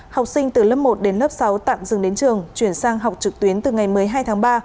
học sinh từ lớp một đến lớp sáu tạm dừng đến trường chuyển sang học trực tuyến từ ngày một mươi hai tháng ba